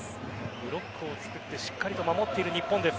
ブロックをつくってしっかり守っている日本です。